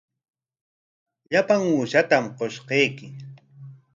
Llapan uushatam qushqayki.